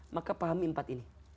maka paham empat ini